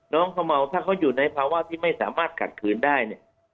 น้องเขาเมาถ้าเขาอยู่ในภาวะที่ไม่สามารถขัดขืนได้เนี่ย